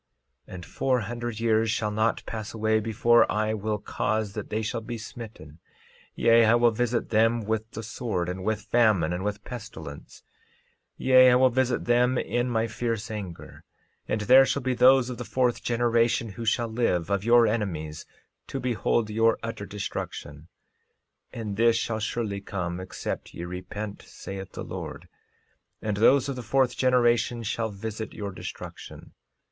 13:9 And four hundred years shall not pass away before I will cause that they shall be smitten; yea, I will visit them with the sword and with famine and with pestilence. 13:10 Yea, I will visit them in my fierce anger, and there shall be those of the fourth generation who shall live, of your enemies, to behold your utter destruction; and this shall surely come except ye repent, saith the Lord; and those of the fourth generation shall visit your destruction.